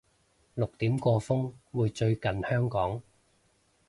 六點個風會最近香港